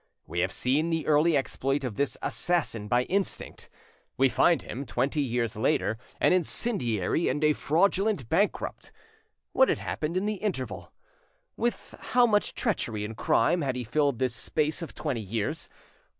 We have seen the early exploit of this assassin by instinct; we find him, twenty years later, an incendiary and a fraudulent bankrupt. What had happened in the interval? With how much treachery and crime had he filled this space of twenty years?